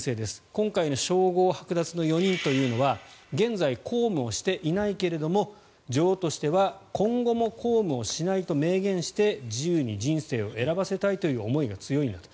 今回の称号はく奪の４人というのは現在、公務をしていないけれども女王としては今後も公務をしないと明言して自由に人生を選ばせたいという思いが強いんだと。